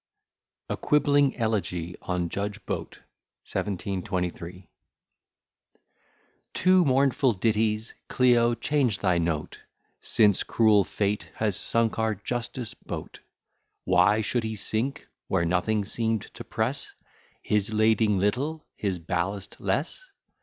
] A QUIBBLING ELEGY ON JUDGE BOAT 1723 To mournful ditties, Clio, change thy note, Since cruel fate has sunk our Justice Boat; Why should he sink, where nothing seem'd to press His lading little, and his ballast less?